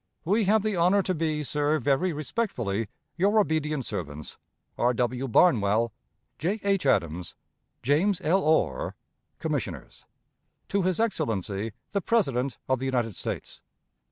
We have the honor to be, sir, very respectfully, your obedient servants, R. W. BARNWELL, } J. H. ADAMS, } Commissioners. JAMES L. ORR, } To his Excellency the President of the United States.